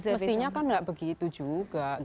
mestinya kan nggak begitu juga